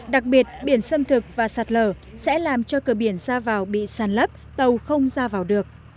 đặc biệt biển xâm thực và sạt lở sẽ làm cho cửa biển ra vào bị sàn lấp tàu không ra vào được